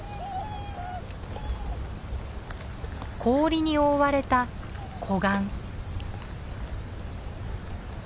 氷に覆われた湖岸。